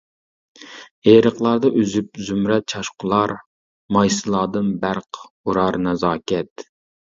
ئېرىقلاردا ئۈزۈپ زۇمرەت چاچقۇلار، مايسىلاردىن بەرق ئۇرار نازاكەت.